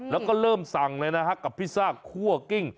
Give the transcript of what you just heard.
แล้วก็เริ่มสั่งเลยนะฮะกับพิซซ่าคั่วกิ้ง